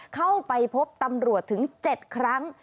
เข้าไปพบตำรวจถึง๗ครั้ง